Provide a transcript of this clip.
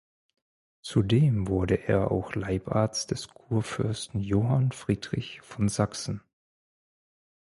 Zudem wurde er auch Leibarzt des Kurfürsten Johann Friedrich von Sachsen.